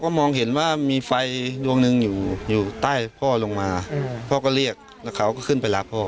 มองเห็นว่ามีไฟดวงหนึ่งอยู่อยู่ใต้พ่อลงมาพ่อก็เรียกแล้วเขาก็ขึ้นไปรักพ่อ